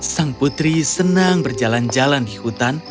sang putri senang berjalan jalan di hutan